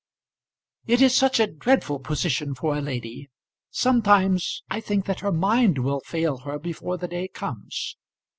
"It is such a dreadful position for a lady. Sometimes I think that her mind will fail her before the day comes."